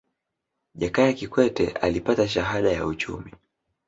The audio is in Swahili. jakaya kikwete alipata shahada ya uchumi